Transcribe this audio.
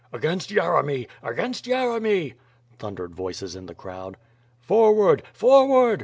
"Against Yeremy, against Yeremy," thundered voices in the crowd. "Forward! Forward!"